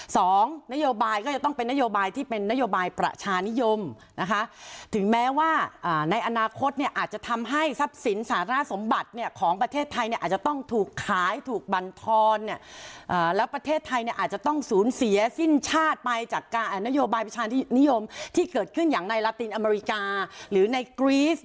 สองนโยบายก็จะต้องเป็นนโยบายที่เป็นนโยบายประชานิยมนะคะถึงแม้ว่าในอนาคตเนี่ยอาจจะทำให้ทรัพย์สินสารสมบัติเนี่ยของประเทศไทยเนี่ยอาจจะต้องถูกขายถูกบรรทรเนี่ยแล้วประเทศไทยเนี่ยอาจจะต้องสูญเสียสิ้นชาติไปจากการนโยบายประชานิยมที่เกิดขึ้นอย่างในลาตินอเมริกาหรือในกรีส